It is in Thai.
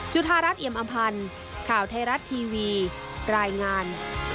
ธารัฐเอียมอำพันธ์ข่าวไทยรัฐทีวีรายงาน